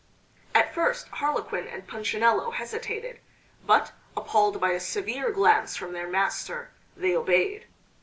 At first Harlequin and Punchinello hesitated; but, appalled by a severe glance from their master, they obeyed.